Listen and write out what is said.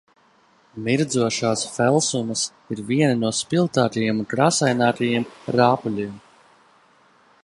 Mirdzošās felsumas ir vieni no spilgtākajiem un krāsainākajiem rāpuļiem.